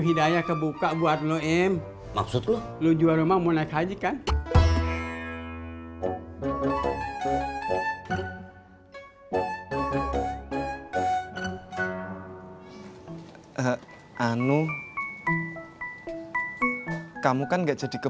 biaya kebuka buat lo m maksud lu lu jual rumah mau naik haji kan anu kamu kan enggak jadi ke